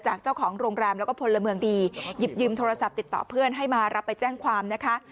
เจ้าของโรงแรมแล้วก็พลเมืองดีหยิบยืมโทรศัพท์ติดต่อเพื่อนให้มารับไปแจ้งความนะคะ